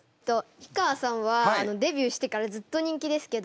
氷川さんはデビューしてからずっと人気ですけど。